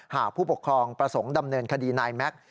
ผู้ปกครองประสงค์ดำเนินคดีนายแม็กซ์